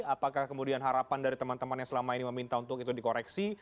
apakah kemudian harapan dari teman teman yang selama ini meminta untuk itu dikoreksi